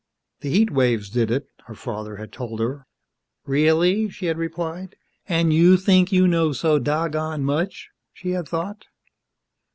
The heat waves did it, her father had told her. "Really?" she had replied, and you think you know so doggone much, she had thought.